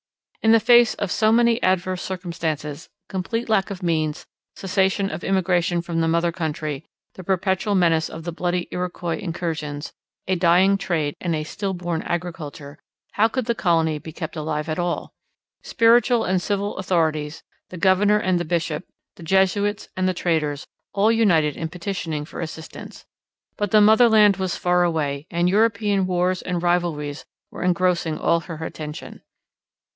In the face of so many adverse circumstances complete lack of means, cessation of immigration from the mother country, the perpetual menace of the bloody Iroquois incursions, a dying trade, and a stillborn agriculture how could the colony be kept alive at all? Spiritual and civil authorities, the governor and the bishop, the Jesuits and the traders, all united in petitioning for assistance. But the motherland was far away, and European wars and rivalries were engrossing all her attention.